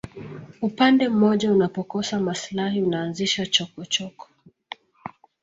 upande mmoja unapokosa maslahi unaanzisha chokochoko